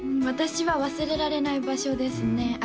私は忘れられない場所ですね